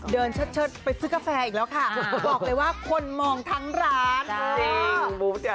เชิดไปซื้อกาแฟอีกแล้วค่ะบอกเลยว่าคนมองทั้งร้าน